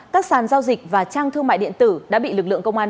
các sàn giao dịch và trang thương mại điện tử đã bị lực lượng công an